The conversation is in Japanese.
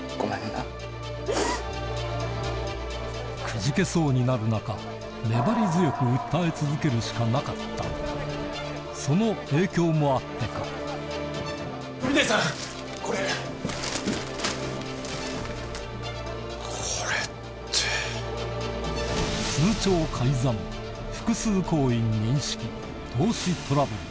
くじけそうになる中粘り強く訴え続けるしかなかったその影響もあってか通帳改ざん複数行員認識投資トラブル